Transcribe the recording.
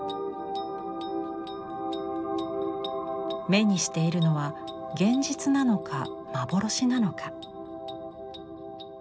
目にしているのは現実なのか幻なのか。